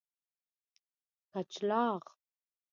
کچلاغ